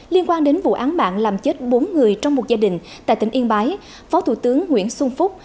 liên quan đến vụ án mạng làm chết bốn người trong một gia đình tại tỉnh yên bái phó thủ tướng nguyễn xuân phúc